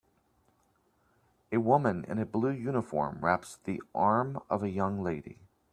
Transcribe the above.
A woman in a blue uniform wraps the arm of a young lady.